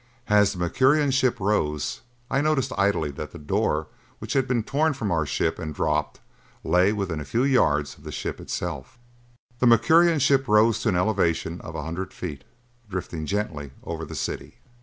As the Mercurian ship rose I noticed idly that the door which had been torn from our ship and dropped lay within a few yards of the ship itself. The Mercurian ship rose to an elevation of a hundred feet, drifting gently over the city.